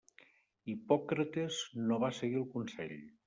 Hipòcrates no va seguir el consell.